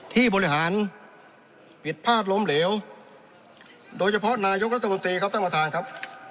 ที่บริหารผิดพลาดล้มเหลวโดยเฉพาะนายกรัฐมนตรีครับท่านประธานครับ